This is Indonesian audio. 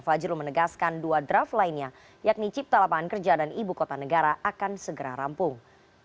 fajrul menegaskan dua draft lainnya yakni cipta lapangan kerja dan ibu kota negara akan segera rampung